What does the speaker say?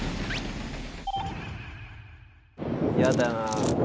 やだなー。